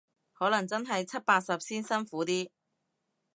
可能真係七八十先辛苦啲